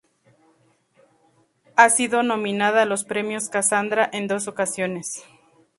Ha sido nominada a los Premios Casandra en dos ocasiones.